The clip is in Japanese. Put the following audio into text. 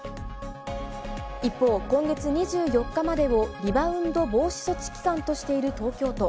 一方、今月２４日までをリバウンド防止措置期間としている東京都。